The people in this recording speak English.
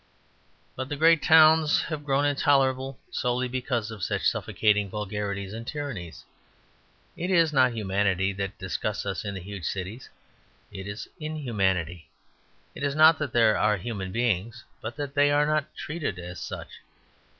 But the great towns have grown intolerable solely because of such suffocating vulgarities and tyrannies. It is not humanity that disgusts us in the huge cities; it is inhumanity. It is not that there are human beings; but that they are not treated as such.